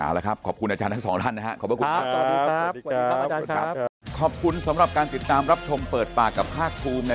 อะอะไรครับขอบคุณอาจารย์ทั้ง๒ล้านนะฮะ